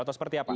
atau seperti apa